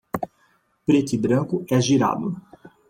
Preto e branco, é girado.